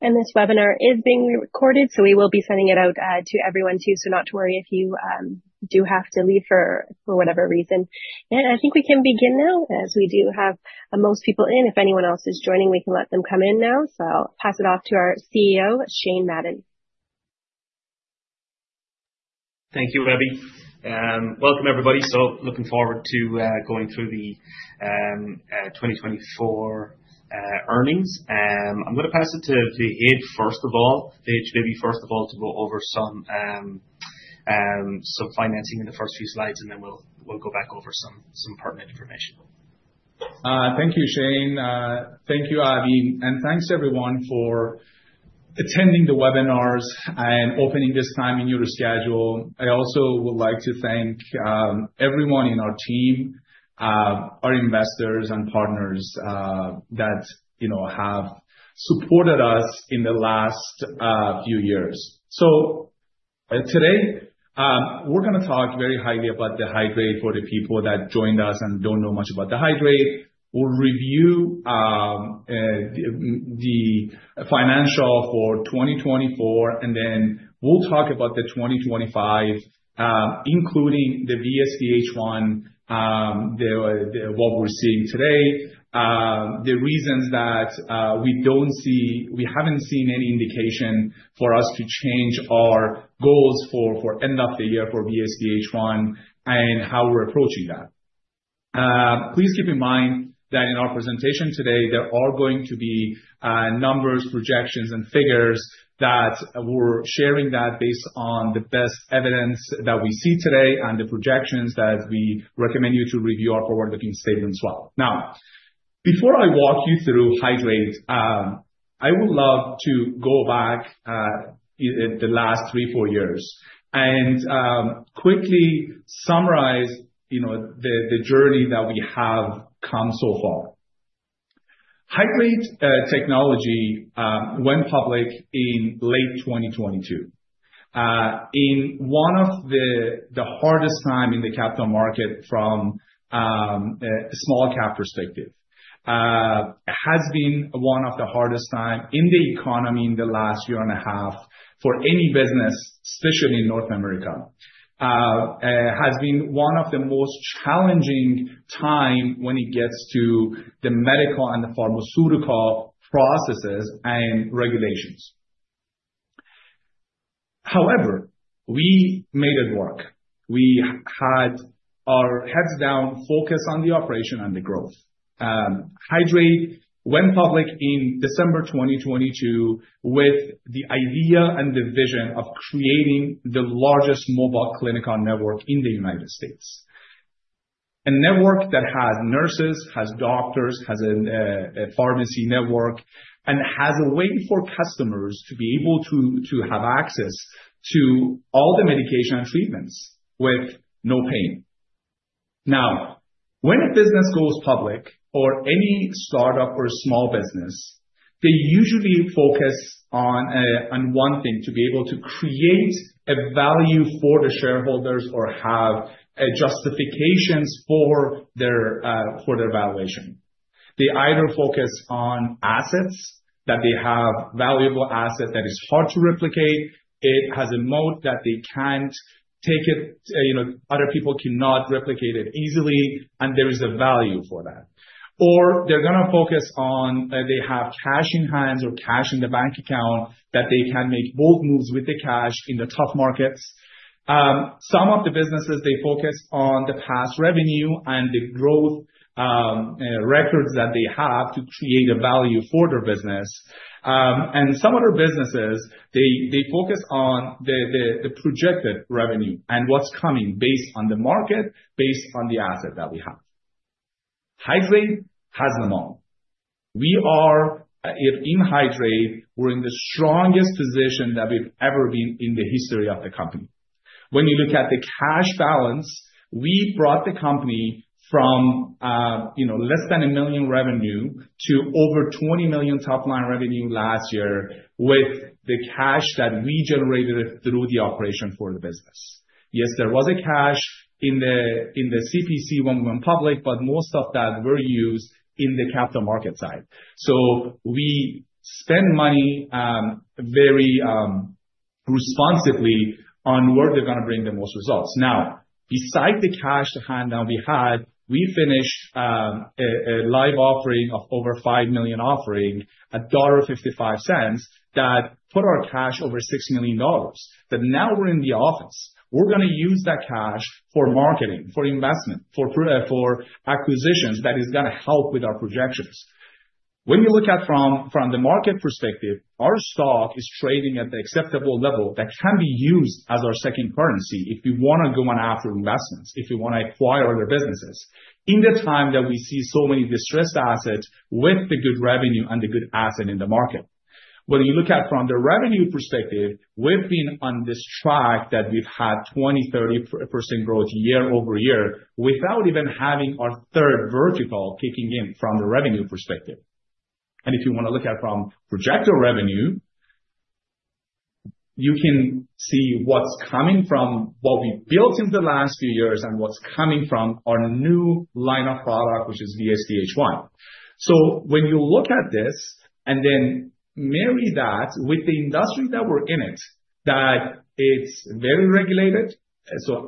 This webinar is being recorded, so we will be sending it out to everyone too, not to worry if you do have to leave for whatever reason. I think we can begin now, as we do have most people in. If anyone else is joining, we can let them come in now. I'll pass it off to our CEO, Shane Madden. Thank you, Abbey. Welcome, everybody. So looking forward to going through the 2024 earnings. I'm going to pass it to Vahid first of all, Vahid first of all, to go over some financing in the first few slides, and then we'll go back over some pertinent information. Thank you, Shane. Thank you, Abbey. Thank you, everyone, for attending the webinars and opening this time in your schedule. I also would like to thank everyone in our team, our investors, and partners that have supported us in the last few years. Today, we're going to talk very highly about Hydreight for the people that joined us and do not know much about Hydreight. We'll review the financials for 2024, and then we'll talk about 2025, including the VSDH One, what we're seeing today, the reasons that we have not seen any indication for us to change our goals for end of the year for VSDH One, and how we're approaching that. Please keep in mind that in our presentation today, there are going to be numbers, projections, and figures that we're sharing based on the best evidence that we see today and the projections that we recommend you to review our forward-looking statements well. Now, before I walk you through Hydreight, I would love to go back the last three, four years and quickly summarize the journey that we have come so far. Hydreight Technology went public in late 2022. In one of the hardest times in the capital market from a small-cap perspective, it has been one of the hardest times in the economy in the last year and a half for any business, especially in North America. It has been one of the most challenging times when it gets to the medical and the pharmaceutical processes and regulations. However, we made it work. We had our heads down, focused on the operation and the growth. Hydreight went public in December 2022 with the idea and the vision of creating the largest mobile clinical network in the United States. A network that has nurses, has doctors, has a pharmacy network, and has a way for customers to be able to have access to all the medication and treatments with no pain. Now, when a business goes public or any startup or small business, they usually focus on one thing: to be able to create a value for the shareholders or have justifications for their valuation. They either focus on assets that they have, valuable assets that are hard to replicate. It has a moat that they cannot take it; other people cannot replicate it easily, and there is a value for that. They are going to focus on they have cash in hand or cash in the bank account that they can make both moves with the cash in the tough markets. Some of the businesses, they focus on the past revenue and the growth records that they have to create a value for their business. Some other businesses, they focus on the projected revenue and what is coming based on the market, based on the asset that we have. Hydreight has them all. We are in Hydreight. We are in the strongest position that we have ever been in the history of the company. When you look at the cash balance, we brought the company from less than $1 million revenue to over $20 million top-line revenue last year with the cash that we generated through the operation for the business. Yes, there was cash in the CPC when we went public, but most of that was used in the capital market side. So we spend money very responsibly on where they're going to bring the most results. Now, besides the cash to hand that we had, we finished a live offering of over $5 million offering, $1.55, that put our cash over $6 million. But now we're in the office. We're going to use that cash for marketing, for investment, for acquisitions that are going to help with our projections. When you look at it from the market perspective, our stock is trading at the acceptable level that can be used as our second currency if we want to go on after investments, if we want to acquire other businesses in the time that we see so many distressed assets with the good revenue and the good asset in the market. When you look at it from the revenue perspective, we've been on this track that we've had 20-30% growth year over year without even having our third vertical kicking in from the revenue perspective. If you want to look at it from projected revenue, you can see what's coming from what we built in the last few years and what's coming from our new line of product, which is VSDH One. When you look at this and then marry that with the industry that we're in, that it's very regulated,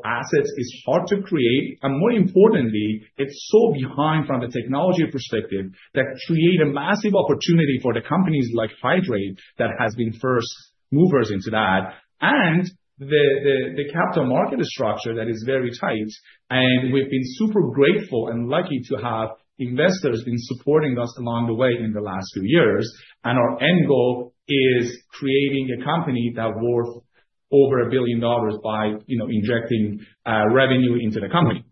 assets are hard to create. More importantly, it's so behind from the technology perspective that creates a massive opportunity for companies like Hydreight that have been first movers into that. The capital market structure is very tight. We've been super grateful and lucky to have investors supporting us along the way in the last few years. Our end goal is creating a company that's worth over $1 billion by injecting revenue into the company.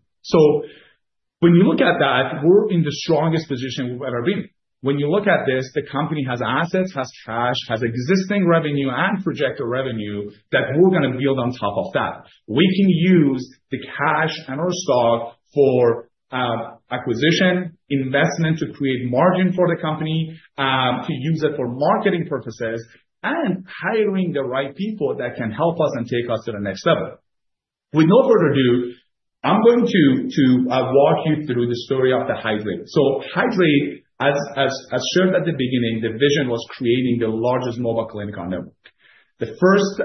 When you look at that, we're in the strongest position we've ever been. When you look at this, the company has assets, has cash, has existing revenue and projected revenue that we're going to build on top of that. We can use the cash and our stock for acquisition, investment to create margin for the company, to use it for marketing purposes, and hiring the right people that can help us and take us to the next level. With no further ado, I'm going to walk you through the story of Hydreight. Hydreight, as shared at the beginning, the vision was creating the largest mobile clinical network. The first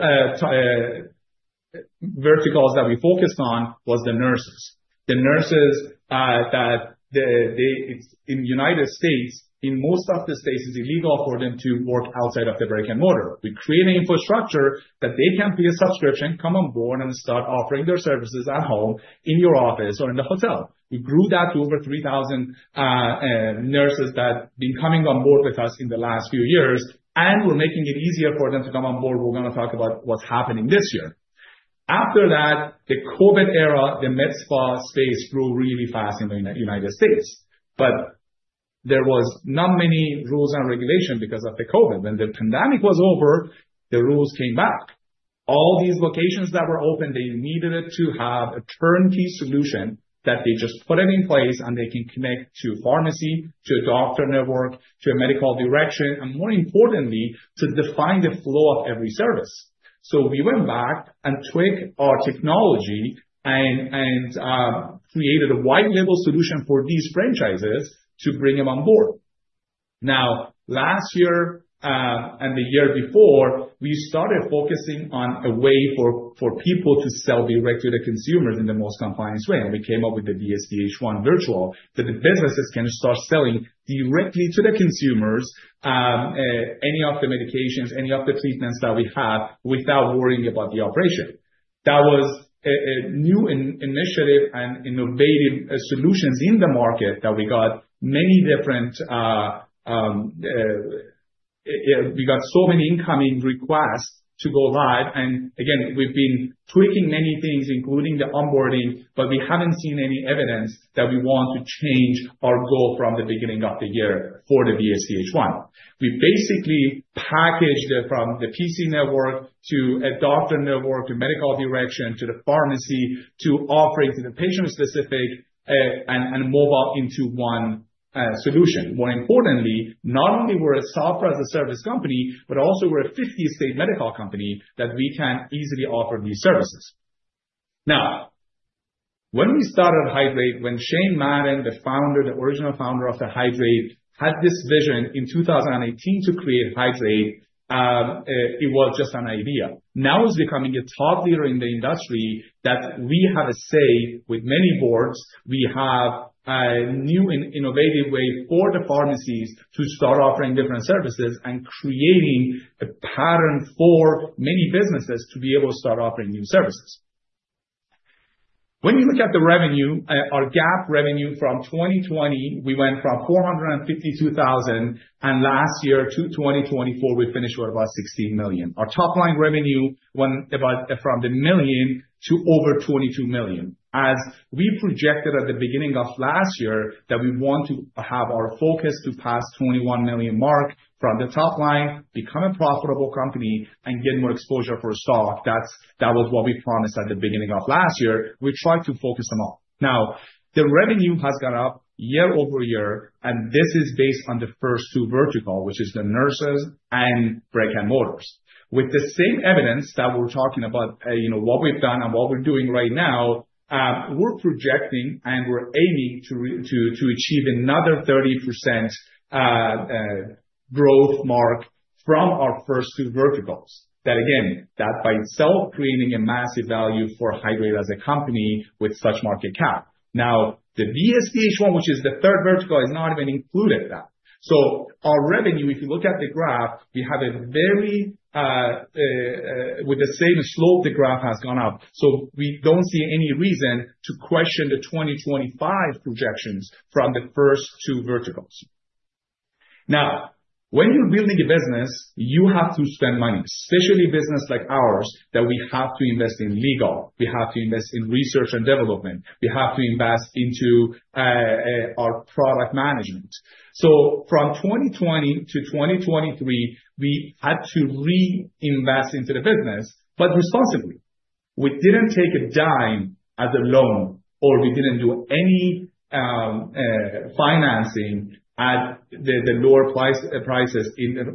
verticals that we focused on were the nurses. The nurses that in the United States, in most of the states, it's illegal for them to work outside of the brick and mortar. We create an infrastructure that they can pay a subscription, come on board, and start offering their services at home, in your office or in the hotel. We grew that to over 3,000 nurses that have been coming on board with us in the last few years, and we're making it easier for them to come on board. We're going to talk about what's happening this year. After that, the COVID era, the med spa space grew really fast in the United States. There were not many rules and regulations because of the COVID. When the pandemic was over, the rules came back. All these locations that were open, they needed to have a turnkey solution that they just put in place and they can connect to pharmacy, to a doctor network, to a medical direction, and more importantly, to define the flow of every service. We went back and tweaked our technology and created a white-label solution for these franchises to bring them on board. Now, last year and the year before, we started focusing on a way for people to sell directly to consumers in the most compliant way. We came up with the VSDH One virtual so that businesses can start selling directly to the consumers any of the medications, any of the treatments that we have without worrying about the operation. That was a new initiative and innovative solutions in the market that we got so many incoming requests to go live. We have been tweaking many things, including the onboarding, but we have not seen any evidence that we want to change our goal from the beginning of the year for the VSDH One. We basically packaged it from the PC network to a doctor network, to medical direction, to the pharmacy, to offering to the patient-specific and mobile into one solution. More importantly, not only were we a software-as-a-service company, but also we're a 50-state medical company that we can easily offer these services. Now, when we started Hydreight, when Shane Madden, the original founder of Hydreight, had this vision in 2018 to create Hydreight, it was just an idea. Now it's becoming a top leader in the industry that we have a say with many boards. We have a new and innovative way for the pharmacies to start offering different services and creating a pattern for many businesses to be able to start offering new services. When you look at the revenue, our GAAP revenue from 2020, we went from $452,000, and last year, 2024, we finished with about $6 million. Our top-line revenue went from the million to over $22 million. As we projected at the beginning of last year that we want to have our focus to pass the $21 million mark from the top line, become a profitable company, and get more exposure for stock, that was what we promised at the beginning of last year. We tried to focus them all. Now, the revenue has gone up year over year, and this is based on the first two verticals, which are the nurses and brick and mortars. With the same evidence that we're talking about, what we've done and what we're doing right now, we're projecting and we're aiming to achieve another 30% growth mark from our first two verticals. That, again, that by itself, creating a massive value for Hydreight as a company with such market cap. Now, the VSDH One, which is the third vertical, has not even included that. Our revenue, if you look at the graph, we have a very with the same slope, the graph has gone up. We do not see any reason to question the 2025 projections from the first two verticals. Now, when you are building a business, you have to spend money, especially businesses like ours that we have to invest in legal. We have to invest in research and development. We have to invest into our product management. From 2020 to 2023, we had to reinvest into the business, but responsibly. We did not take a dime as a loan, or we did not do any financing at the lower prices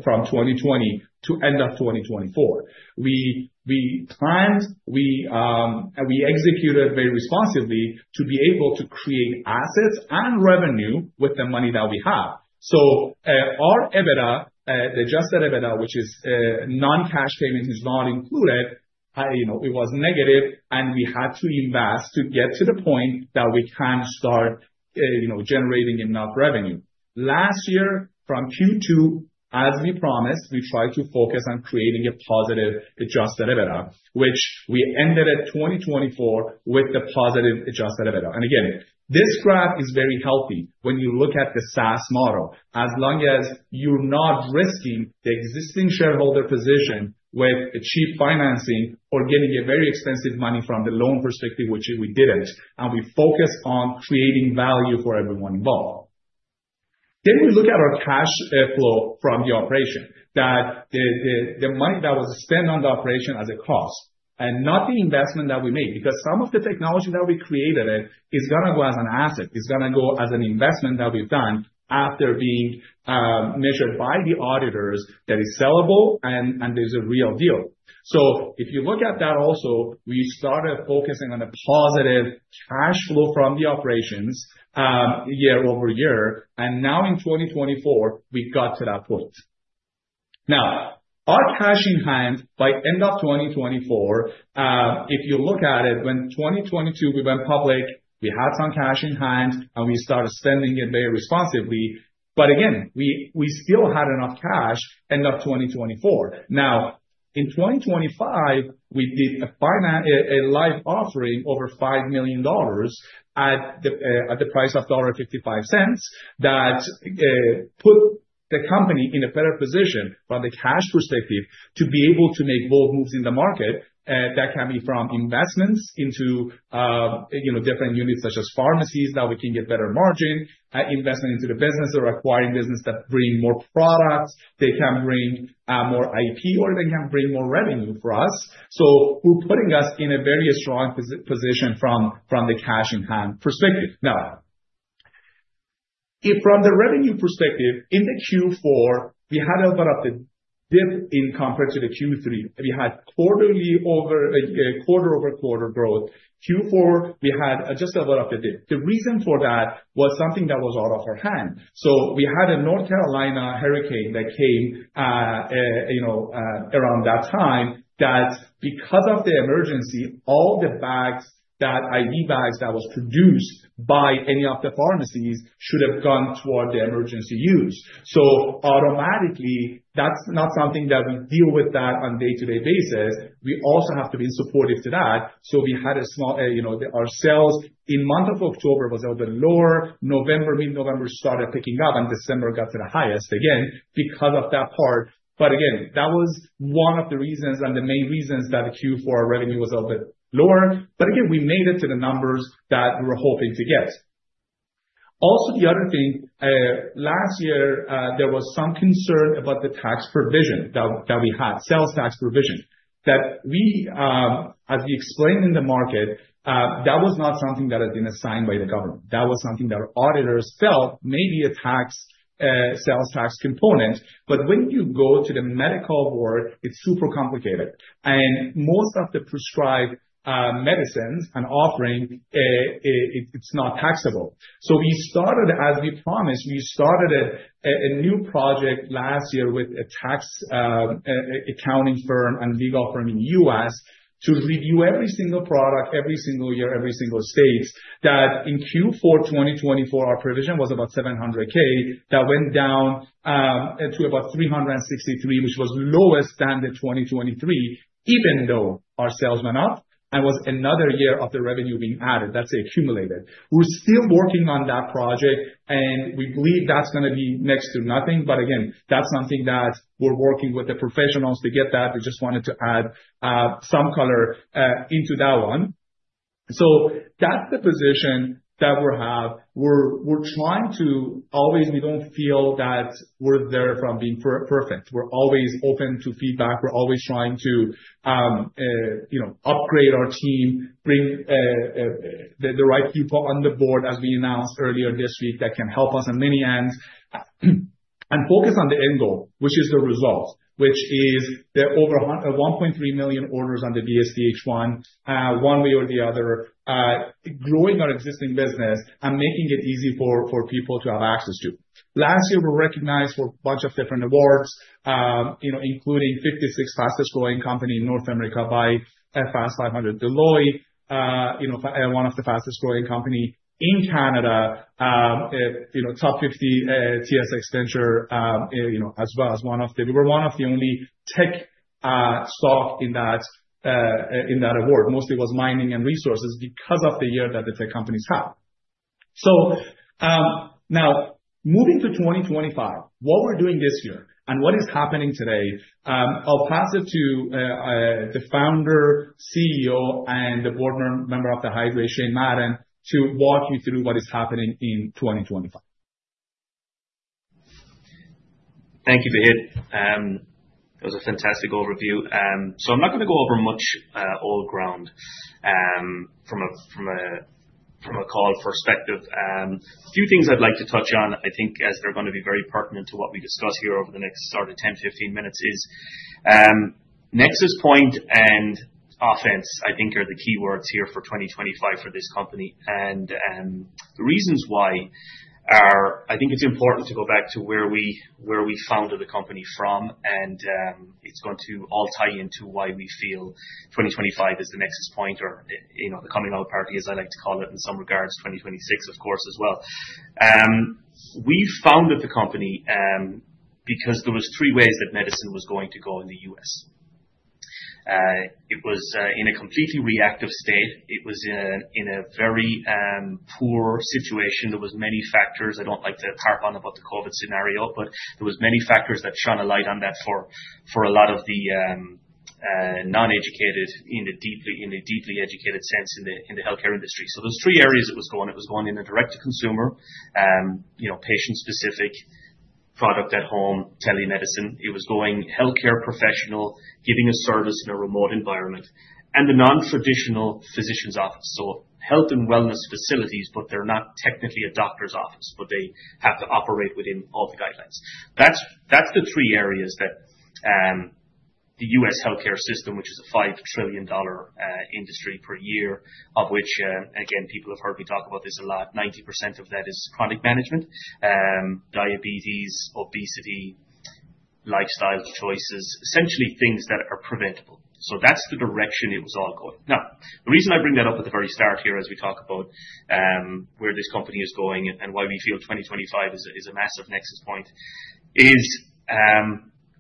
from 2020 to end of 2024. We planned, we executed very responsibly to be able to create assets and revenue with the money that we have. Our EBITDA, the adjusted EBITDA, which is non-cash payment, is not included. It was negative, and we had to invest to get to the point that we can start generating enough revenue. Last year, from Q2, as we promised, we tried to focus on creating a positive adjusted EBITDA, which we ended at 2024 with the positive adjusted EBITDA. This graph is very healthy when you look at the SaaS model. As long as you're not risking the existing shareholder position with cheap financing or getting very expensive money from the loan perspective, which we didn't, and we focus on creating value for everyone involved. We look at our cash flow from the operation, that the money that was spent on the operation as a cost and not the investment that we made, because some of the technology that we created is going to go as an asset, is going to go as an investment that we've done after being measured by the auditors that is sellable and is a real deal. If you look at that also, we started focusing on a positive cash flow from the operations year over year. Now in 2024, we got to that point. Our cash in hand by end of 2024, if you look at it, when 2022, we went public, we had some cash in hand, and we started spending it very responsibly. Again, we still had enough cash end of 2024. Now, in 2025, we did a live offering over $5 million at the price of $1.55 that put the company in a better position from the cash perspective to be able to make both moves in the market. That can be from investments into different units such as pharmacies that we can get better margin, investment into the business or acquiring business that brings more products. They can bring more IP or they can bring more revenue for us. So we're putting us in a very strong position from the cash in hand perspective. Now, from the revenue perspective, in Q4, we had a lot of the dip in compared to Q3. We had quarter over quarter growth. Q4, we had just a lot of the dip. The reason for that was something that was out of our hand. We had a North Carolina hurricane that came around that time that because of the emergency, all the IV bags that were produced by any of the pharmacies should have gone toward the emergency use. Automatically, that's not something that we deal with on a day-to-day basis. We also have to be supportive to that. We had a small, our sales in the month of October was a little bit lower. Mid-November started picking up, and December got to the highest again because of that part. That was one of the reasons and the main reasons that Q4 revenue was a little bit lower. We made it to the numbers that we were hoping to get. Also, the other thing, last year, there was some concern about the tax provision that we had, sales tax provision, that we, as we explained in the market, that was not something that had been assigned by the government. That was something that auditors felt maybe a tax sales tax component. When you go to the medical world, it's super complicated. Most of the prescribed medicines and offering, it's not taxable. We started, as we promised, we started a new project last year with a tax accounting firm and legal firm in the U.S. to review every single product every single year, every single state. In Q4 2024, our provision was about $700,000. That went down to about $363,000, which was lower than 2023, even though our sales went up. It was another year of the revenue being added. That's accumulated. We're still working on that project, and we believe that's going to be next to nothing. Again, that's something that we're working with the professionals to get that. We just wanted to add some color into that one. That's the position that we have. We're trying to always, we don't feel that we're there from being perfect. We're always open to feedback. We're always trying to upgrade our team, bring the right people on the board, as we announced earlier this week, that can help us on many ends and focus on the end goal, which is the result, which is the over 1.3 million orders on the VSDH One, one way or the other, growing our existing business and making it easy for people to have access to. Last year, we were recognized for a bunch of different awards, including 56th fastest growing company in North America by Fast 500 Deloitte, one of the fastest growing companies in Canada, top 50 TSX Venture as well as one of the we were one of the only tech stock in that award. Mostly it was mining and resources because of the year that the tech companies had. Now, moving to 2025, what we're doing this year and what is happening today, I'll pass it to the Founder, CEO, and the board member of Hydreight, Shane Madden, to walk you through what is happening in 2025. Thank you, Vahid. That was a fantastic overview. I'm not going to go over much all ground from a call perspective. A few things I'd like to touch on, I think, as they're going to be very pertinent to what we discuss here over the next sort of 10-15 minutes, is NexusPoint and Offense, I think, are the key words here for 2025 for this company. The reasons why are I think it's important to go back to where we founded the company from, and it's going to all tie into why we feel 2025 is the NexusPoint or the coming out party, as I like to call it in some regards, 2026, of course, as well. We founded the company because there were three ways that medicine was going to go in the U.S. It was in a completely reactive state. It was in a very poor situation. There were many factors. I don't like to harp on about the COVID scenario, but there were many factors that shone a light on that for a lot of the non-educated in the deeply educated sense in the healthcare industry. There were three areas it was going. It was going in a direct-to-consumer, patient-specific product at home, telemedicine. It was going healthcare professional, giving a service in a remote environment, and the non-traditional physician's office. Health and wellness facilities, but they're not technically a doctor's office, but they have to operate within all the guidelines. That's the three areas that the U.S. healthcare system, which is a $5 trillion industry per year, of which, again, people have heard me talk about this a lot, 90% of that is chronic management, diabetes, obesity, lifestyle choices, essentially things that are preventable. That's the direction it was all going. Now, the reason I bring that up at the very start here as we talk about where this company is going and why we feel 2025 is a massive NexusPoint is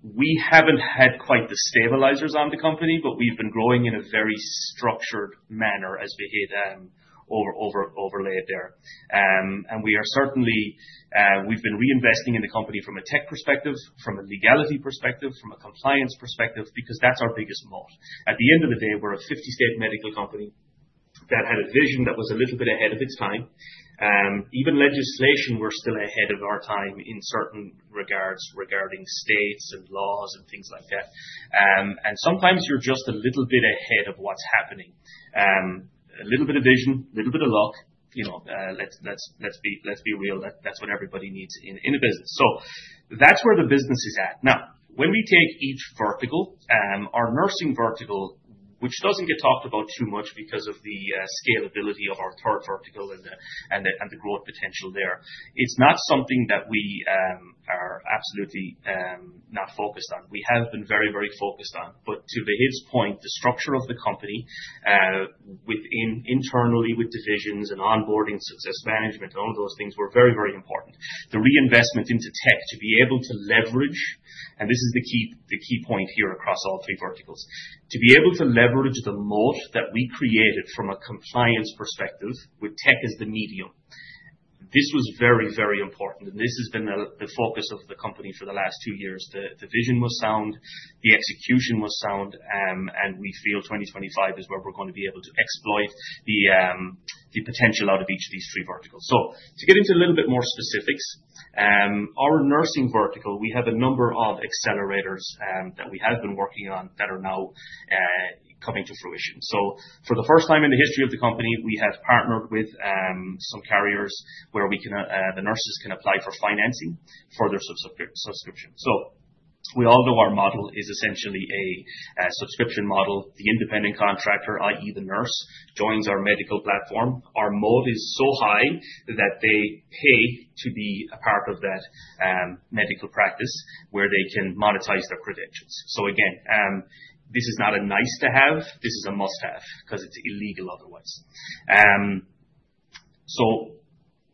we haven't had quite the stabilizers on the company, but we've been growing in a very structured manner, as Behid overlaid there. We are certainly, we've been reinvesting in the company from a tech perspective, from a legality perspective, from a compliance perspective, because that's our biggest moat. At the end of the day, we're a 50-state medical company that had a vision that was a little bit ahead of its time. Even legislation, we're still ahead of our time in certain regards regarding states and laws and things like that. Sometimes you're just a little bit ahead of what's happening. A little bit of vision, a little bit of luck. Let's be real. That's what everybody needs in a business. That is where the business is at. Now, when we take each vertical, our nursing vertical, which does not get talked about too much because of the scalability of our third vertical and the growth potential there, it is not something that we are absolutely not focused on. We have been very, very focused on it. To Behid's point, the structure of the company internally with divisions and onboarding and success management and all those things were very, very important. The reinvestment into tech to be able to leverage, and this is the key point here across all three verticals, to be able to leverage the moat that we created from a compliance perspective with tech as the medium. This was very, very important. This has been the focus of the company for the last two years. The vision was sound. The execution was sound. We feel 2025 is where we're going to be able to exploit the potential out of each of these three verticals. To get into a little bit more specifics, our nursing vertical, we have a number of accelerators that we have been working on that are now coming to fruition. For the first time in the history of the company, we have partnered with some carriers where the nurses can apply for financing for their subscription. We all know our model is essentially a subscription model. The independent contractor, i.e., the nurse, joins our medical platform. Our moat is so high that they pay to be a part of that medical practice where they can monetize their credentials. Again, this is not a nice-to-have. This is a must-have because it's illegal otherwise.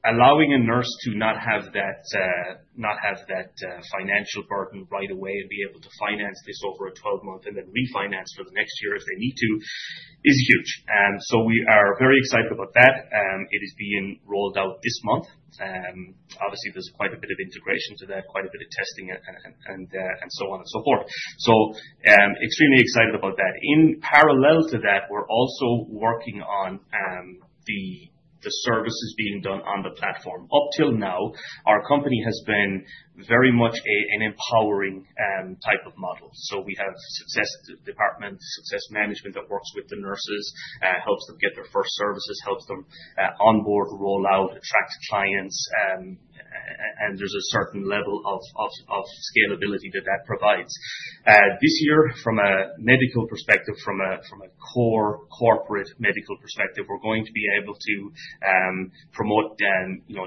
Allowing a nurse to not have that financial burden right away and be able to finance this over a 12-month and then refinance for the next year if they need to is huge. We are very excited about that. It is being rolled out this month. Obviously, there is quite a bit of integration to that, quite a bit of testing, and so on and so forth. Extremely excited about that. In parallel to that, we are also working on the services being done on the platform. Up till now, our company has been very much an empowering type of model. We have a success department, success management that works with the nurses, helps them get their first services, helps them onboard, roll out, attract clients. There is a certain level of scalability that that provides. This year, from a medical perspective, from a core corporate medical perspective, we're going to be able to promote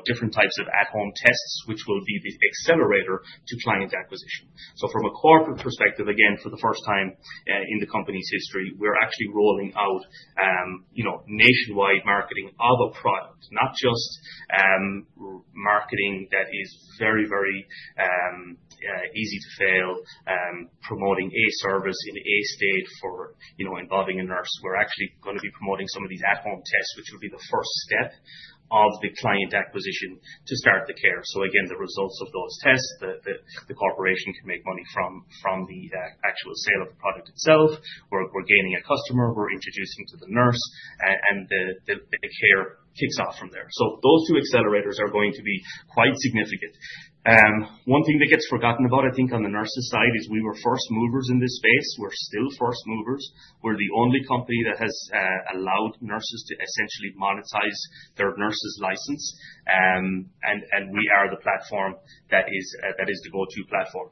different types of at-home tests, which will be the accelerator to client acquisition. From a corporate perspective, again, for the first time in the company's history, we're actually rolling out nationwide marketing of a product, not just marketing that is very, very easy to fail, promoting a service in a state for involving a nurse. We're actually going to be promoting some of these at-home tests, which will be the first step of the client acquisition to start the care. The results of those tests, the corporation can make money from the actual sale of the product itself. We're gaining a customer. We're introducing to the nurse, and the care kicks off from there. Those two accelerators are going to be quite significant. One thing that gets forgotten about, I think, on the nurses' side is we were first movers in this space. We're still first movers. We're the only company that has allowed nurses to essentially monetize their nurses' license. And we are the platform that is the go-to platform.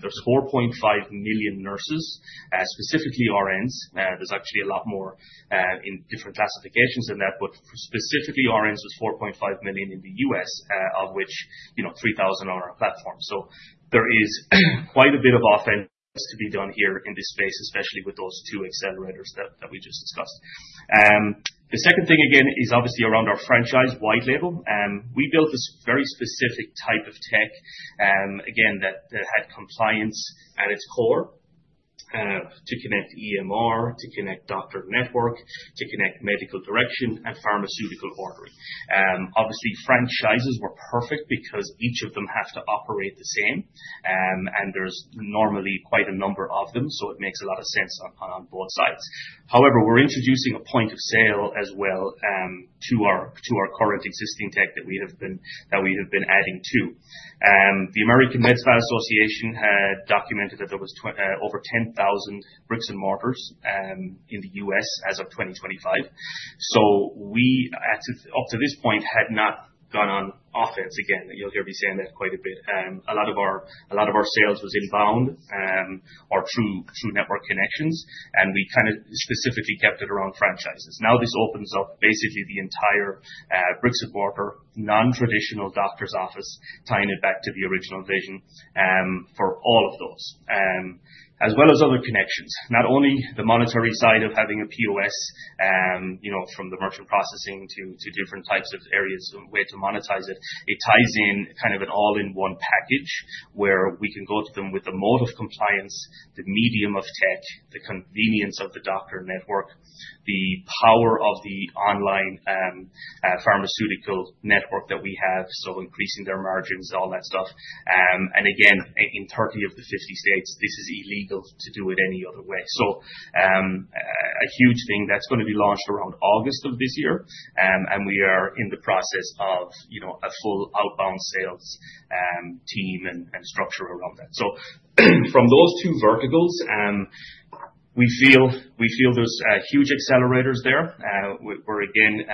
There are 4.5 million nurses, specifically RNs. There are actually a lot more in different classifications than that, but specifically RNs with 4.5 million in the U.S., of which 3,000 are on our platform. There is quite a bit of offense to be done here in this space, especially with those two accelerators that we just discussed. The second thing, again, is obviously around our franchise, White Label. We built this very specific type of tech, again, that had compliance at its core to connect EMR, to connect doctor network, to connect medical direction, and pharmaceutical ordering. Obviously, franchises were perfect because each of them have to operate the same. And there's normally quite a number of them, so it makes a lot of sense on both sides. However, we're introducing a point of sale as well to our current existing tech that we have been adding to. The American Med Spa Association documented that there was over 10,000 bricks and mortars in the U.S. as of 2025. So we, up to this point, had not gone on Offense again. You'll hear me saying that quite a bit. A lot of our sales was inbound, our true network connections. And we kind of specifically kept it around franchises. Now this opens up basically the entire bricks and mortar, non-traditional doctor's office, tying it back to the original vision for all of those, as well as other connections. Not only the monetary side of having a POS from the merchant processing to different types of areas and way to monetize it. It ties in kind of an all-in-one package where we can go to them with the moat of compliance, the medium of tech, the convenience of the doctor network, the power of the online pharmaceutical network that we have, so increasing their margins, all that stuff. In 30 of the 50 states, this is illegal to do it any other way. A huge thing that is going to be launched around August of this year. We are in the process of a full outbound sales team and structure around that. From those two verticals, we feel there are huge accelerators there. We're, again,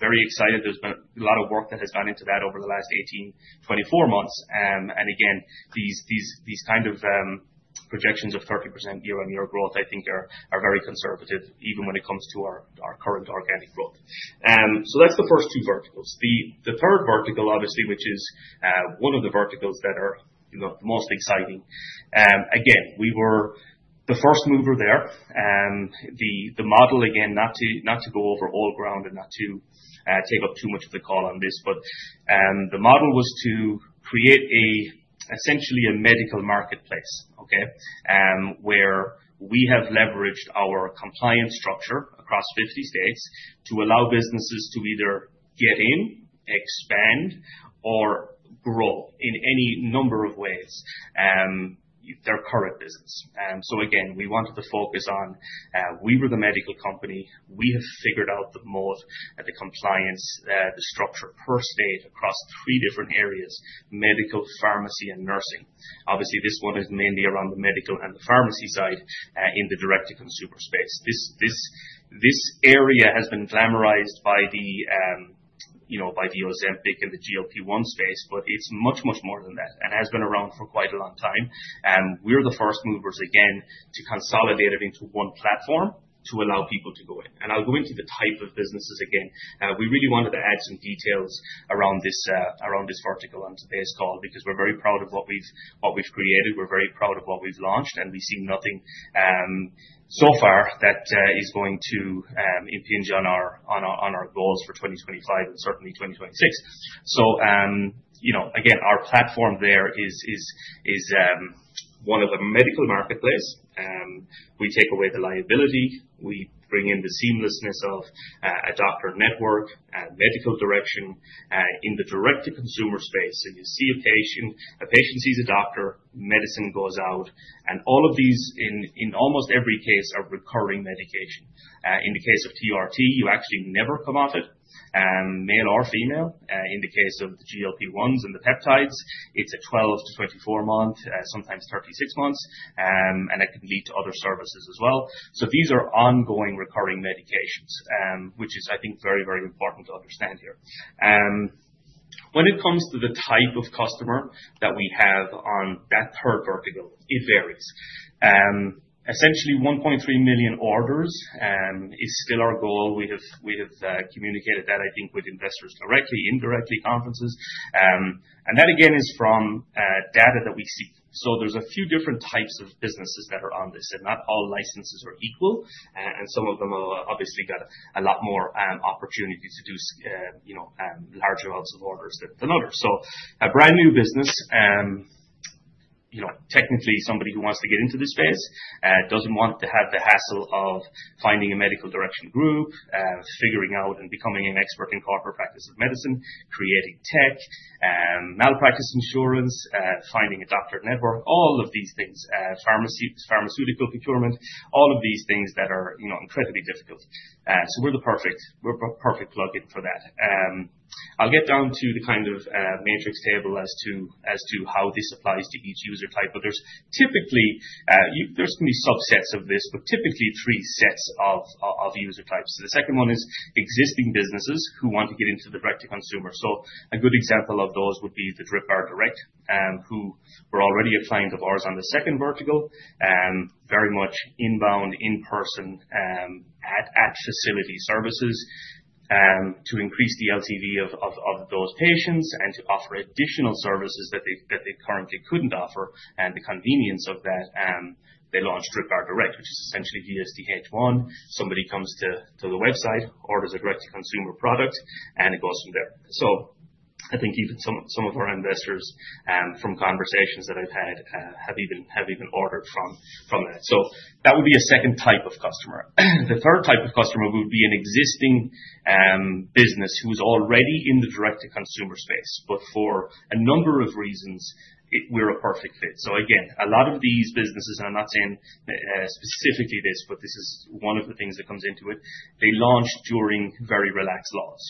very excited. There's been a lot of work that has gone into that over the last 18, 24 months. Again, these kind of projections of 30% year-on-year growth, I think, are very conservative, even when it comes to our current organic growth. That is the first two verticals. The third vertical, obviously, which is one of the verticals that are the most exciting. Again, we were the first mover there. The model, again, not to go over old ground and not to take up too much of the call on this, but the model was to create essentially a medical marketplace, okay, where we have leveraged our compliance structure across 50 states to allow businesses to either get in, expand, or grow in any number of ways, their current business. Again, we wanted to focus on we were the medical company. We have figured out the moat and the compliance, the structure per state across three different areas: medical, pharmacy, and nursing. Obviously, this one is mainly around the medical and the pharmacy side in the direct-to-consumer space. This area has been glamorized by the Ozempic and the GLP-1 space, but it's much, much more than that and has been around for quite a long time. We're the first movers, again, to consolidate it into one platform to allow people to go in. I'll go into the type of businesses again. We really wanted to add some details around this vertical on today's call because we're very proud of what we've created. We're very proud of what we've launched. We see nothing so far that is going to impinge on our goals for 2025 and certainly 2026. Our platform there is one of the medical marketplace. We take away the liability. We bring in the seamlessness of a doctor network and medical direction in the direct-to-consumer space. You see a patient, a patient sees a doctor, medicine goes out. All of these, in almost every case, are recurring medication. In the case of TRT, you actually never come out of it, male or female. In the case of the GLP-1s and the peptides, it is a 12-24 month, sometimes 36 months, and it can lead to other services as well. These are ongoing recurring medications, which is, I think, very, very important to understand here. When it comes to the type of customer that we have on that third vertical, it varies. Essentially, 1.3 million orders is still our goal. We have communicated that, I think, with investors directly, indirectly, conferences. That, again, is from data that we see. There are a few different types of businesses that are on this. Not all licenses are equal. Some of them have obviously got a lot more opportunity to do larger amounts of orders than others. A brand new business, technically, somebody who wants to get into this space does not want to have the hassle of finding a medical direction group, figuring out and becoming an expert in corporate practice of medicine, creating tech, malpractice insurance, finding a doctor network, all of these things, pharmaceutical procurement, all of these things that are incredibly difficult. We are the perfect plug-in for that. I will get down to the kind of matrix table as to how this applies to each user type. There are typically, there are going to be subsets of this, but typically three sets of user types. The second one is existing businesses who want to get into the direct-to-consumer. A good example of those would be DRIPBaR Direct, who were already a client of ours on the second vertical, very much inbound, in-person, at facility services to increase the LTV of those patients and to offer additional services that they currently couldn't offer. The convenience of that, they launched DRIPBaR Direct, which is essentially VSDH One. Somebody comes to the website, orders a direct-to-consumer product, and it goes from there. I think even some of our investors from conversations that I've had have even ordered from that. That would be a second type of customer. The third type of customer would be an existing business who's already in the direct-to-consumer space, but for a number of reasons, we're a perfect fit. Again, a lot of these businesses, and I'm not saying specifically this, but this is one of the things that comes into it, they launched during very relaxed laws.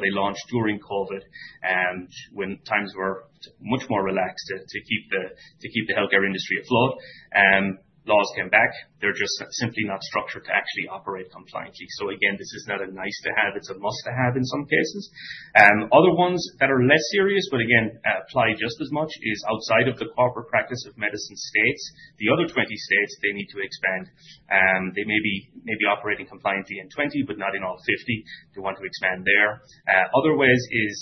They launched during COVID when times were much more relaxed to keep the healthcare industry afloat. Laws came back. They're just simply not structured to actually operate compliantly. Again, this is not a nice-to-have. It's a must-to-have in some cases. Other ones that are less serious, but again, apply just as much, is outside of the corporate practice of medicine states. The other 20 states, they need to expand. They may be operating compliantly in 20, but not in all 50. They want to expand there. Other ways is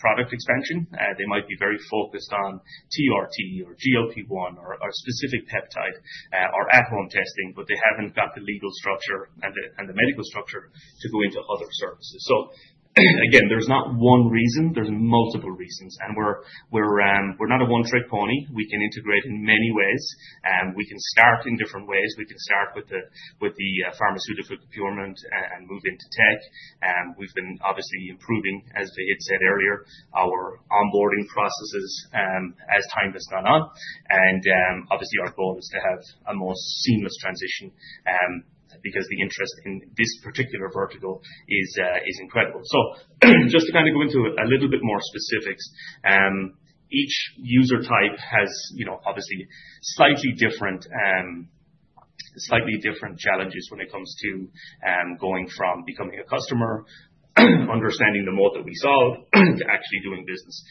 product expansion. They might be very focused on TRT or GLP-1 or a specific peptide or at-home testing, but they haven't got the legal structure and the medical structure to go into other services. There is not one reason. There are multiple reasons. We are not a one-trick pony. We can integrate in many ways. We can start in different ways. We can start with the pharmaceutical procurement and move into tech. We have been obviously improving, as Vahid said earlier, our onboarding processes as time has gone on. Our goal is to have a more seamless transition because the interest in this particular vertical is incredible. Just to go into a little bit more specifics, each user type has slightly different challenges when it comes to going from becoming a customer, understanding the moat that we solved, to actually doing business.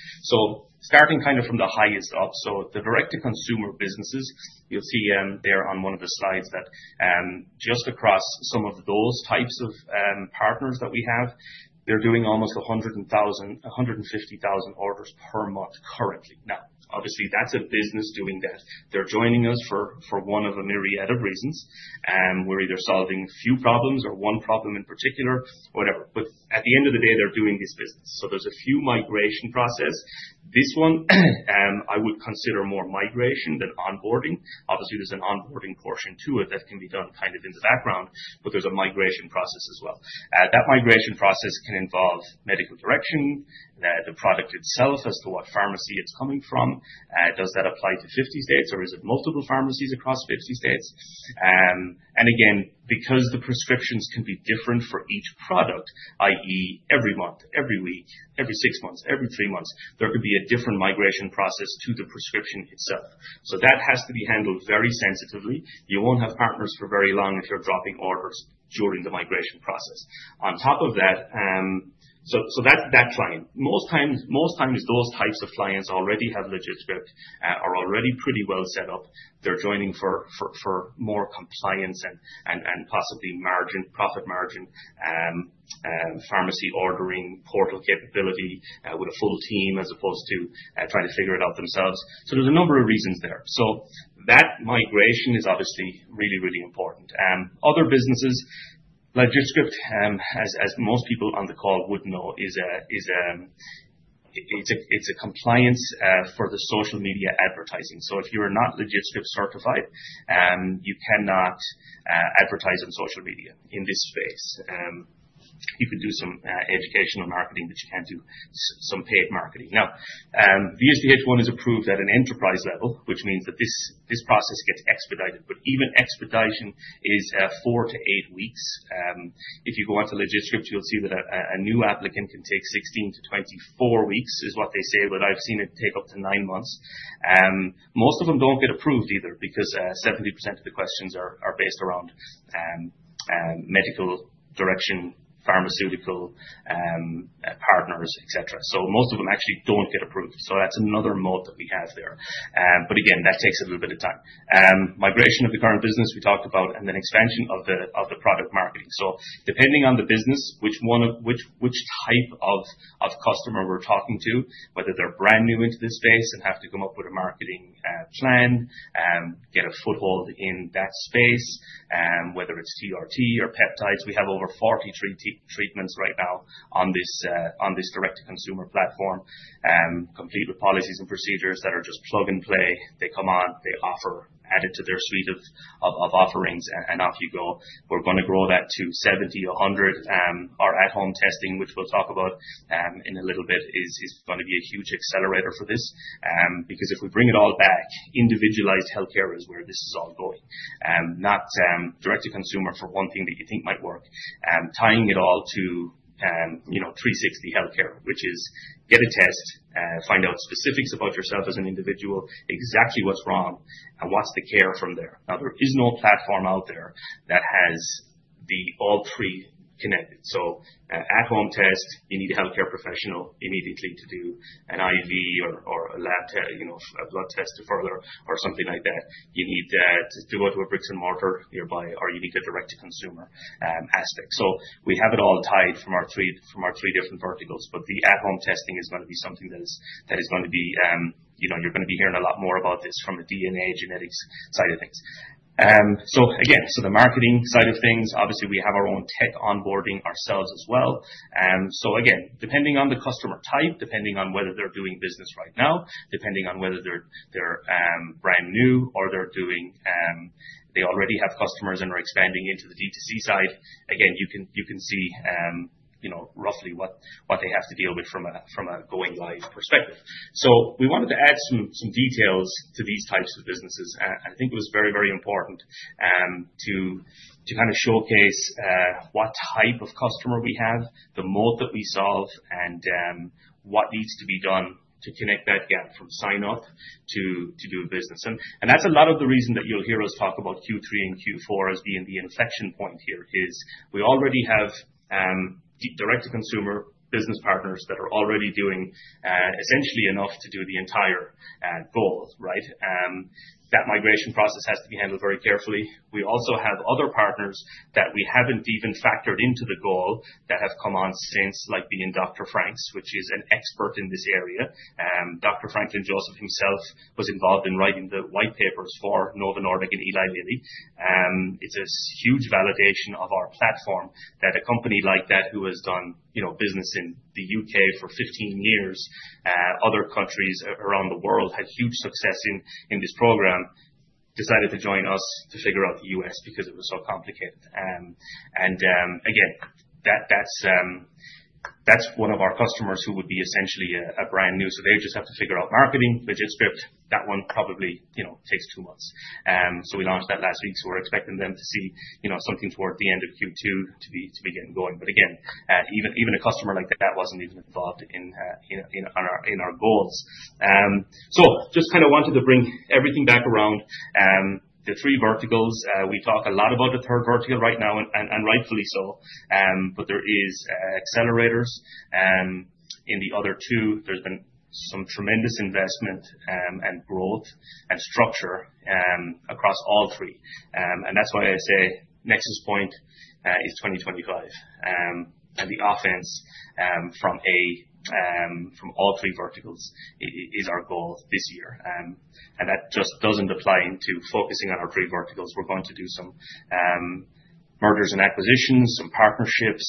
Starting kind of from the highest up. The direct-to-consumer businesses, you'll see there on one of the slides that just across some of those types of partners that we have, they're doing almost 150,000 orders per month currently. Now, obviously, that's a business doing that. They're joining us for one of a myriad of reasons. We're either solving a few problems or one problem in particular, whatever. At the end of the day, they're doing this business. There's a few migration processes. This one, I would consider more migration than onboarding. Obviously, there's an onboarding portion to it that can be done kind of in the background, but there's a migration process as well. That migration process can involve medical direction, the product itself as to what pharmacy it's coming from. Does that apply to 50 states, or is it multiple pharmacies across 50 states? Again, because the prescriptions can be different for each product, i.e., every month, every week, every six months, every three months, there could be a different migration process to the prescription itself. That has to be handled very sensitively. You will not have partners for very long if you are dropping orders during the migration process. On top of that, that client, most times, those types of clients already have LegitScript, are already pretty well set up. They are joining for more compliance and possibly profit margin, pharmacy ordering portal capability with a full team as opposed to trying to figure it out themselves. There are a number of reasons there. That migration is obviously really, really important. Other businesses, LegitScript, as most people on the call would know, it is a compliance for the social media advertising. If you are not LegitScript certified, you cannot advertise on social media in this space. You can do some educational marketing, but you cannot do some paid marketing. Now, VSDH One is approved at an enterprise level, which means that this process gets expedited. Even expedition is four to eight weeks. If you go on to LegitScript, you will see that a new applicant can take 16-24 weeks, is what they say, but I have seen it take up to nine months. Most of them do not get approved either because 70% of the questions are based around medical direction, pharmaceutical partners, etc. Most of them actually do not get approved. That is another moat that we have there. Again, that takes a little bit of time. Migration of the current business we talked about and then expansion of the product marketing. Depending on the business, which type of customer we're talking to, whether they're brand new into this space and have to come up with a marketing plan, get a foothold in that space, whether it's TRT or peptides. We have over 40 treatments right now on this direct-to-consumer platform, complete with policies and procedures that are just plug and play. They come on, they offer, add it to their suite of offerings, and off you go. We're going to grow that to 70, 100. Our at-home testing, which we'll talk about in a little bit, is going to be a huge accelerator for this because if we bring it all back, individualized healthcare is where this is all going. Not direct-to-consumer for one thing that you think might work, tying it all to 360 healthcare, which is get a test, find out specifics about yourself as an individual, exactly what's wrong, and what's the care from there. Now, there is no platform out there that has all three connected. At-home test, you need a healthcare professional immediately to do an IV or a blood test to further or something like that. You need to go to a bricks and mortar nearby or you need a direct-to-consumer aspect. We have it all tied from our three different verticals, but the at-home testing is going to be something that is going to be, you're going to be hearing a lot more about this from a DNA genetics side of things. Again, the marketing side of things, obviously, we have our own tech onboarding ourselves as well. Again, depending on the customer type, depending on whether they're doing business right now, depending on whether they're brand new or they already have customers and are expanding into the DTC side, you can see roughly what they have to deal with from a going live perspective. We wanted to add some details to these types of businesses. I think it was very, very important to kind of showcase what type of customer we have, the moat that we solve, and what needs to be done to connect that gap from sign-up to do business. That's a lot of the reason that you'll hear us talk about Q3 and Q4 as being the inflection point here is we already have direct-to-consumer business partners that are already doing essentially enough to do the entire goal, right? That migration process has to be handled very carefully. We also have other partners that we have not even factored into the goal that have come on since, like being Dr. Franklin Joseph, which is an expert in this area. Dr. Franklin Joseph himself was involved in writing the white papers for Novo Nordisk and Eli Lilly. It is a huge validation of our platform that a company like that, who has done business in the U.K. for 15 years, other countries around the world, had huge success in this program, decided to join us to figure out the U.S. because it was so complicated. That is one of our customers who would be essentially brand new. They just have to figure out marketing, LegitScript. That one probably takes two months. We launched that last week. We are expecting them to see something toward the end of Q2 to begin going. Again, even a customer like that was not even involved in our goals. I just kind of wanted to bring everything back around the three verticals. We talk a lot about the third vertical right now, and rightfully so. There are accelerators in the other two. There has been some tremendous investment and growth and structure across all three. That is why I say NexusPoint is 2025. The Offense from all three verticals is our goal this year. That just does not apply to focusing on our three verticals. We are going to do some mergers and acquisitions, some partnerships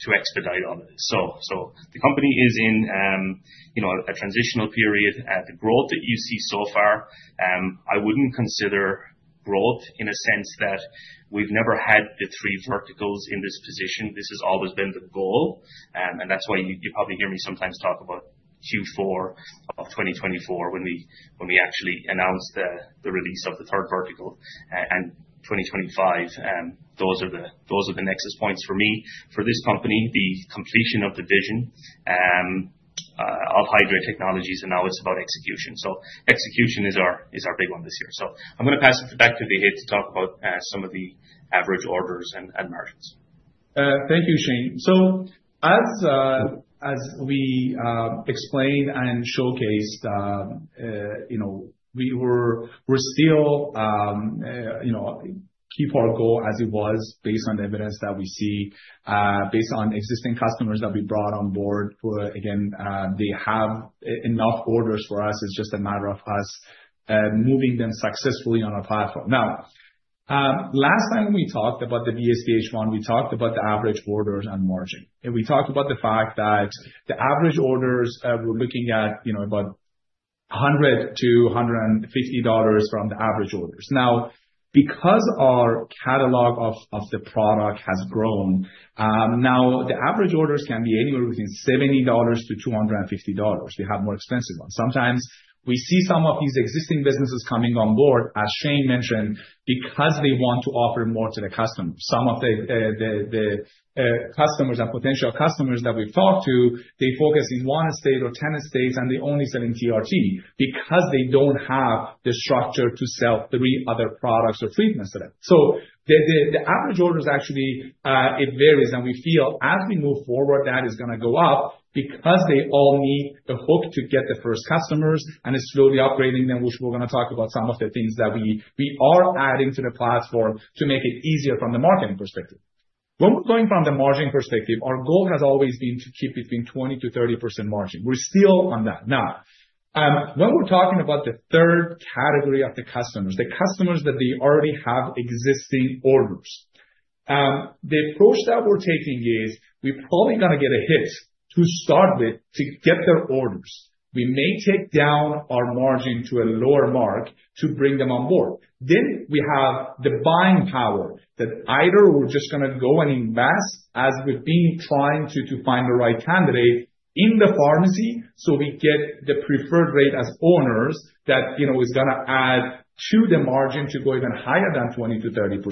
to expedite all of this. The company is in a transitional period. The growth that you see so far, I would not consider growth in a sense that we have never had the three verticals in this position. This has always been the goal. That is why you probably hear me sometimes talk about Q4 of 2024 when we actually announced the release of the third vertical. In 2025, those are the NexusPoints for me. For this company, the completion of the vision of Hydreight Technologies, and now it is about execution. Execution is our big one this year. I am going to pass it back to Vahid to talk about some of the average orders and margins. Thank you, Shane. As we explained and showcased, we still keep our goal as it was based on the evidence that we see, based on existing customers that we brought on board. Again, they have enough orders for us. It is just a matter of us moving them successfully on our platform. Last time we talked about the VSDH One, we talked about the average orders and margin. We talked about the fact that the average orders, we are looking at about $100-$150 from the average orders. Now, because our catalog of the product has grown, the average orders can be anywhere between $70-$250. We have more expensive ones. Sometimes we see some of these existing businesses coming on board, as Shane mentioned, because they want to offer more to the customer. Some of the customers and potential customers that we've talked to, they focus in one state or 10 states, and they're only selling TRT because they don't have the structure to sell three other products or treatments to them. The average orders actually, it varies. We feel as we move forward, that is going to go up because they all need a hook to get the first customers, and it's slowly upgrading them, which we're going to talk about some of the things that we are adding to the platform to make it easier from the marketing perspective. When we're going from the margin perspective, our goal has always been to keep between 20-30% margin. We're still on that. Now, when we're talking about the third category of the customers, the customers that they already have existing orders, the approach that we're taking is we're probably going to get a hit to start with to get their orders. We may take down our margin to a lower mark to bring them on board. Then we have the buying power that either we're just going to go and invest as we've been trying to find the right candidate in the pharmacy so we get the preferred rate as owners that is going to add to the margin to go even higher than 20-30%.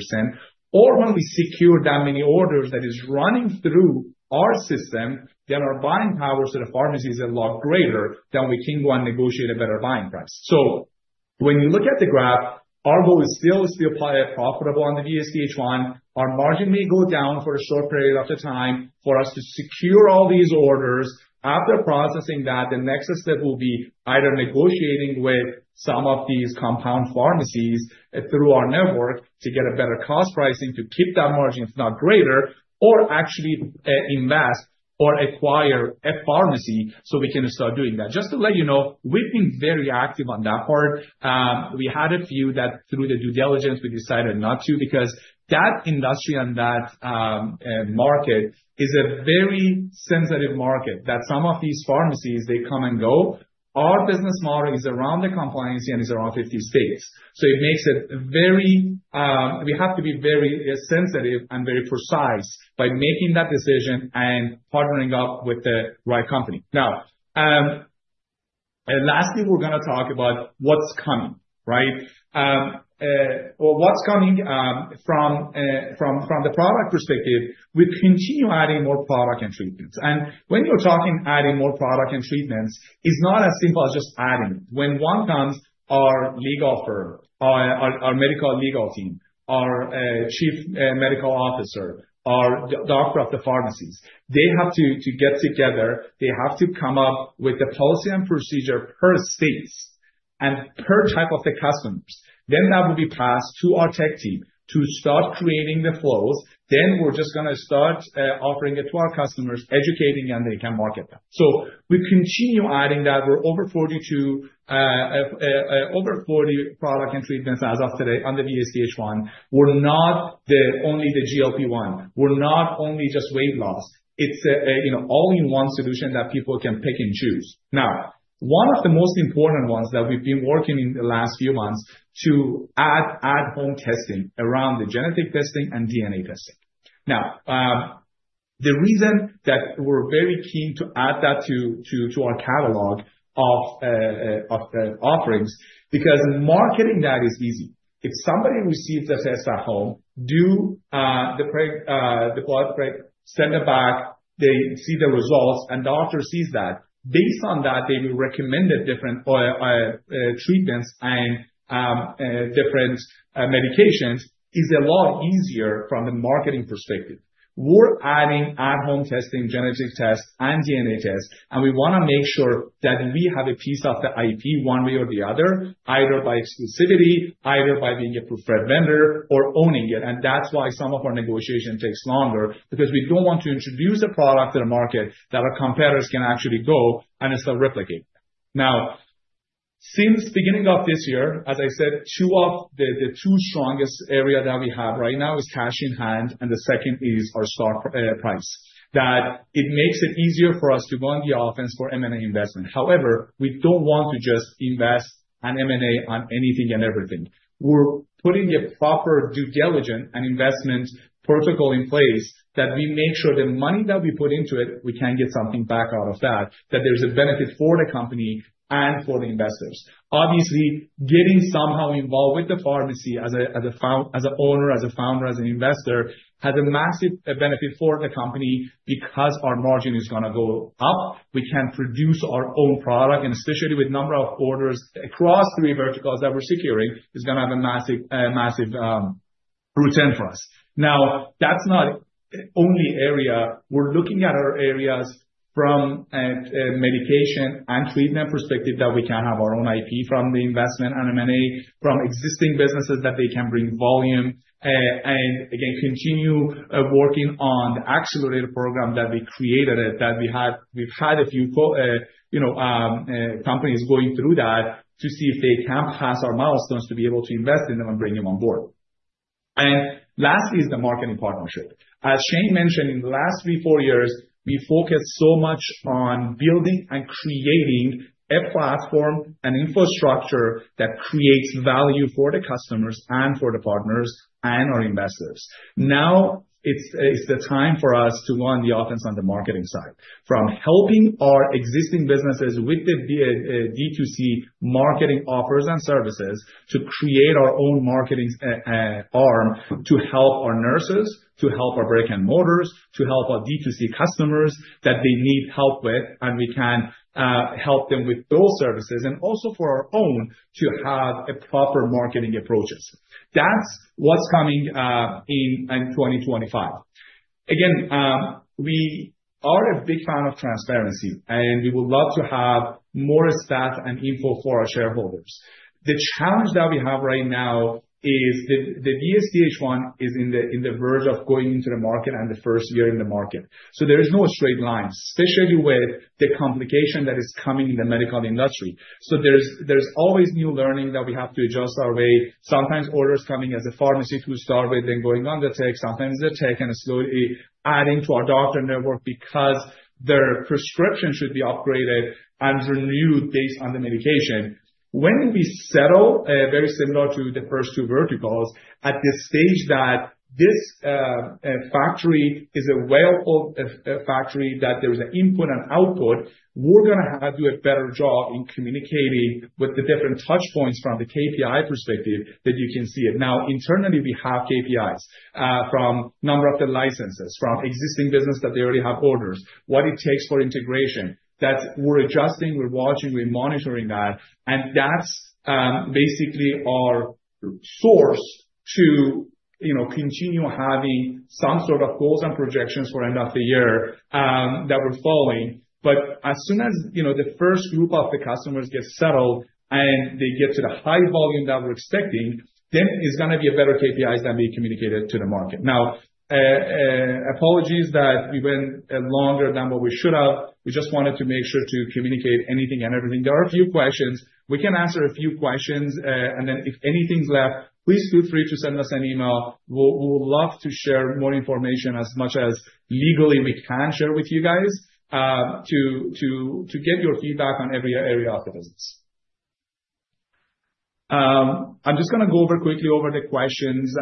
Or when we secure that many orders that is running through our system, then our buying power to the pharmacy is a lot greater than we can go and negotiate a better buying price. When you look at the graph, our goal is still profitable on the VSDH One. Our margin may go down for a short period of time for us to secure all these orders. After processing that, the next step will be either negotiating with some of these compound pharmacies through our network to get a better cost pricing to keep that margin, if not greater, or actually invest or acquire a pharmacy so we can start doing that. Just to let you know, we've been very active on that part. We had a few that through the due diligence, we decided not to because that industry and that market is a very sensitive market that some of these pharmacies, they come and go. Our business model is around the compliance and is around 50 states. It makes it very, we have to be very sensitive and very precise by making that decision and partnering up with the right company. Now, lastly, we're going to talk about what's coming, right? What's coming from the product perspective, we continue adding more product and treatments. And when you're talking adding more product and treatments, it's not as simple as just adding it. When one comes, our legal firm, our medical legal team, our Chief Medical Officer, our doctor of the pharmacies, they have to get together. They have to come up with the policy and procedure per states and per type of the customers. That will be passed to our tech team to start creating the flows. We're just going to start offering it to our customers, educating, and they can market that. We continue adding that. We're over 42, over 40 product and treatments as of today on the VSDH One. We're not only the GLP-1. We're not only just weight loss. It's an all-in-one solution that people can pick and choose. Now, one of the most important ones that we've been working in the last few months is to add at-home testing around the genetic testing and DNA testing. Now, the reason that we're very keen to add that to our catalog of offerings is because marketing that is easy. If somebody receives a test at home, do the blood, send it back, they see the results, and the doctor sees that. Based on that, they will recommend different treatments and different medications is a lot easier from the marketing perspective. We're adding at-home testing, genetic test, and DNA test, and we want to make sure that we have a piece of the IP one way or the other, either by exclusivity, either by being a preferred vendor or owning it. That's why some of our negotiation takes longer because we don't want to introduce a product to the market that our competitors can actually go and start replicating. Now, since beginning of this year, as I said, two of the two strongest areas that we have right now are cash in hand, and the second is our stock price. That makes it easier for us to go on the Offense for M&A investment. However, we don't want to just invest an M&A on anything and everything. We're putting a proper due diligence and investment protocol in place that we make sure the money that we put into it, we can get something back out of that, that there's a benefit for the company and for the investors. Obviously, getting somehow involved with the pharmacy as an owner, as a founder, as an investor has a massive benefit for the company because our margin is going to go up. We can produce our own product, and especially with the number of orders across three verticals that we're securing, it's going to have a massive return for us. Now, that's not the only area. We're looking at our areas from a medication and treatment perspective that we can have our own IP from the investment and M&A, from existing businesses that they can bring volume, and again, continue working on the accelerator program that we created that we've had a few companies going through that to see if they can pass our milestones to be able to invest in them and bring them on board. Lastly is the marketing partnership. As Shane mentioned, in the last three, four years, we focused so much on building and creating a platform and infrastructure that creates value for the customers and for the partners and our investors. Now, it's the time for us to go on the Offense on the marketing side, from helping our existing businesses with the D2C marketing offers and services to create our own marketing arm to help our nurses, to help our brick-and-mortars, to help our D2C customers that they need help with, and we can help them with those services, and also for our own to have proper marketing approaches. That's what's coming in 2025. Again, we are a big fan of transparency, and we would love to have more stats and info for our shareholders. The challenge that we have right now is the VSDH One is on the verge of going into the market and the first year in the market. There is no straight line, especially with the complication that is coming in the medical industry. There is always new learning that we have to adjust our way. Sometimes orders come in as a pharmacy to start with, then go on the tech, sometimes the tech and slowly add to our doctor network because their prescription should be upgraded and renewed based on the medication. When we settle, very similar to the first two verticals, at the stage that this factory is a well-oiled factory, that there is an input and output, we are going to do a better job in communicating with the different touchpoints from the KPI perspective that you can see it. Now, internally, we have KPIs from the number of the licenses, from existing business that already have orders, what it takes for integration. We are adjusting, we are watching, we are monitoring that. That is basically our source to continue having some sort of goals and projections for the end of the year that we are following. As soon as the first group of the customers get settled and they get to the high volume that we're expecting, it's going to be better KPIs that will be communicated to the market. Apologies that we went longer than what we should have. We just wanted to make sure to communicate anything and everything. There are a few questions. We can answer a few questions. If anything's left, please feel free to send us an email. We would love to share more information as much as legally we can share with you guys to get your feedback on every area of the business. I'm just going to go quickly over the questions.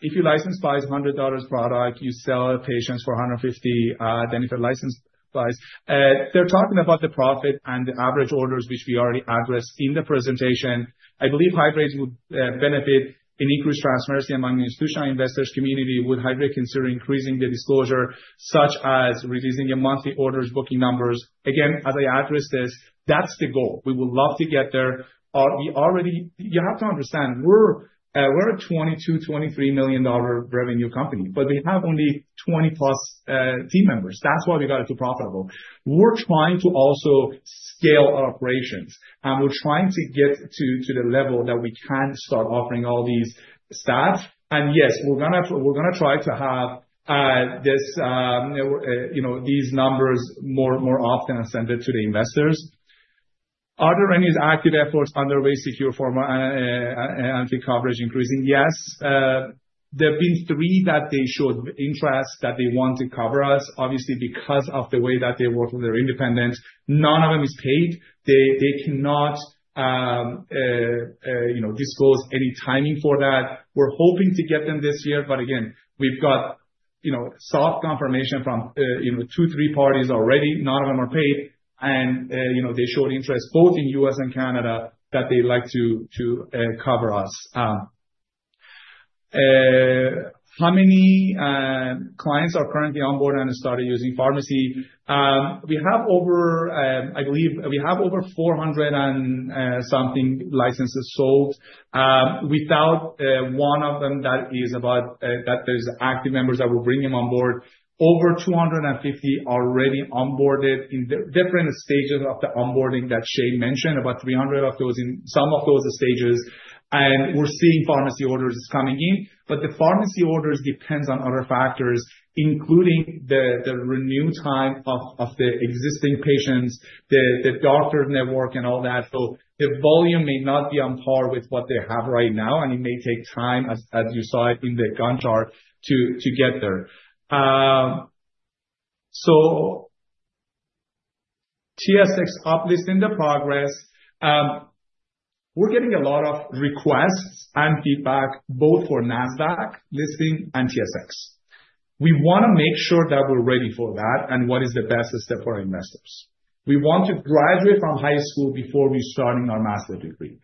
If you license buy $100 product, you sell patients for $150. If a license buys, they're talking about the profit and the average orders, which we already addressed in the presentation. I believe Hydreight would benefit in increased transparency among the institutional investors' community. Would Hydreight consider increasing the disclosure, such as reducing the monthly orders booking numbers? Again, as I address this, that's the goal. We would love to get there. You have to understand, we're a $22 million-$23 million revenue company, but we have only 20-plus team members. That's why we got it to profitable. We're trying to also scale our operations, and we're trying to get to the level that we can start offering all these stats. Yes, we're going to try to have these numbers more often and send it to the investors. Are there any active efforts under way to secure former anti-coverage increasing? Yes. There have been three that they showed interest that they want to cover us, obviously, because of the way that they work with their independents. None of them is paid. They cannot disclose any timing for that. We are hoping to get them this year. Again, we have got soft confirmation from two, three parties already. None of them are paid. They showed interest both in the U.S. and Canada that they would like to cover us. How many clients are currently on board and started using pharmacy? We have, I believe, we have over 400 and something licenses sold. Without one of them, that is about that there are active members that we are bringing on board. Over 250 already onboarded in different stages of the onboarding that Shane mentioned, about 300 of those in some of those stages. We are seeing pharmacy orders coming in. The pharmacy orders depend on other factors, including the renew time of the existing patients, the doctor network, and all that. The volume may not be on par with what they have right now, and it may take time, as you saw it in the Gantt chart, to get there. TSX up, listing the progress. We're getting a lot of requests and feedback both for Nasdaq listing and TSX. We want to make sure that we're ready for that and what is the best step for our investors. We want to graduate from high school before we're starting our master's degree.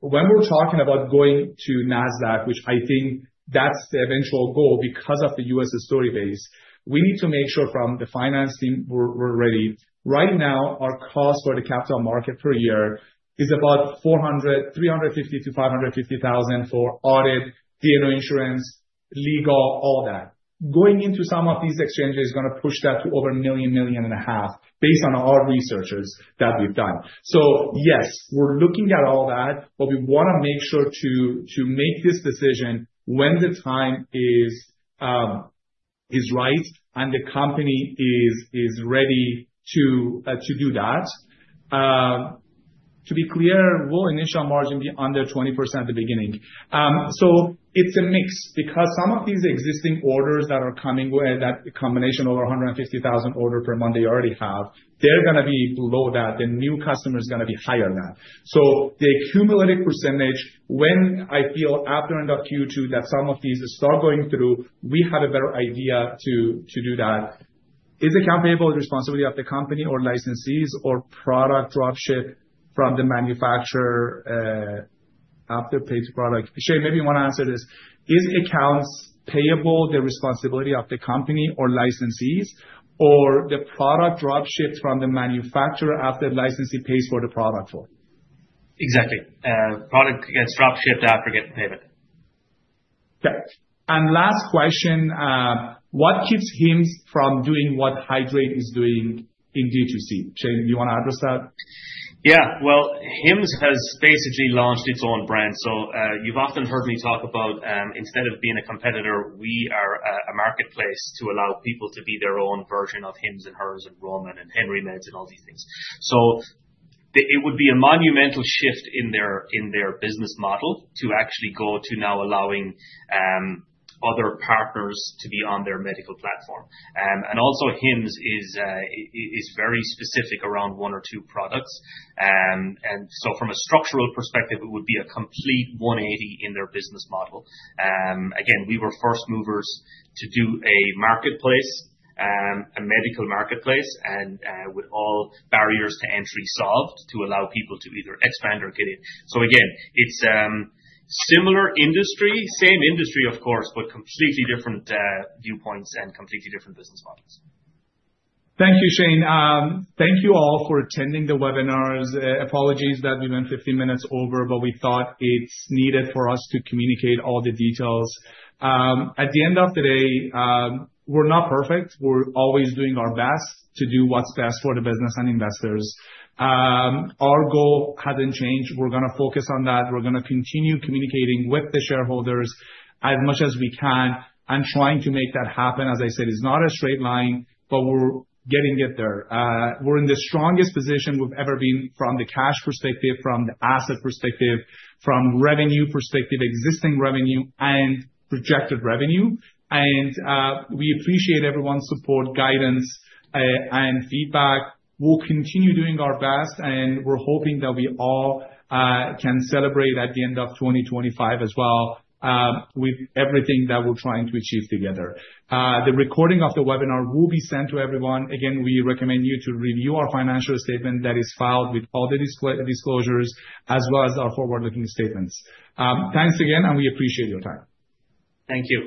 When we're talking about going to Nasdaq, which I think that's the eventual goal because of the US history base, we need to make sure from the finance team we're ready. Right now, our cost for the capital market per year is about $350,000-$550,000 for audit, D&O insurance, legal, all that. Going into some of these exchanges is going to push that to over $1 million-$1.5 million based on our researches that we've done. Yes, we're looking at all that, but we want to make sure to make this decision when the time is right and the company is ready to do that. To be clear, will initial margin be under 20% at the beginning? It's a mix because some of these existing orders that are coming, that combination over 150,000 orders per month they already have, they're going to be below that. The new customer is going to be higher than that. The accumulated percentage, when I feel after end of Q2 that some of these are going through, we have a better idea to do that. Is accountability responsibility of the company or licensees or product dropship from the manufacturer after pays product? Shane, maybe you want to answer this. Is accounts payable the responsibility of the company or licensees or the product dropshipped from the manufacturer after licensee pays for the product for? Exactly. Product gets dropshipped after getting payment. Okay. Last question, what keeps Hims from doing what Hydreight is doing in D2C? Shane, do you want to address that? Yeah. Hims has basically launched its own brand. You have often heard me talk about instead of being a competitor, we are a marketplace to allow people to be their own version of Hims and Hers and Roman and Henry Meds and all these things. It would be a monumental shift in their business model to actually go to now allowing other partners to be on their medical platform. Also, Hims is very specific around one or two products. From a structural perspective, it would be a complete 180 in their business model. Again, we were first movers to do a marketplace, a medical marketplace, and with all barriers to entry solved to allow people to either expand or get in. Again, it is similar industry, same industry, of course, but completely different viewpoints and completely different business models. Thank you, Shane. Thank you all for attending the webinars. Apologies that we went 15 minutes over, but we thought it is needed for us to communicate all the details. At the end of the day, we are not perfect. We are always doing our best to do what is best for the business and investors. Our goal hasn't changed. We're going to focus on that. We're going to continue communicating with the shareholders as much as we can. Trying to make that happen, as I said, is not a straight line, but we're getting it there. We're in the strongest position we've ever been from the cash perspective, from the asset perspective, from revenue perspective, existing revenue, and projected revenue. We appreciate everyone's support, guidance, and feedback. We'll continue doing our best, and we're hoping that we all can celebrate at the end of 2025 as well with everything that we're trying to achieve together. The recording of the webinar will be sent to everyone. Again, we recommend you to review our financial statement that is filed with all the disclosures as well as our forward-looking statements. Thanks again, and we appreciate your time. Thank you.